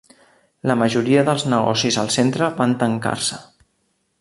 La majoria dels negocis al centre van tancar-se.